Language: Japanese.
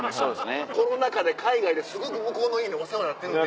コロナ禍で海外ですごく向こうの家にお世話になってるんで。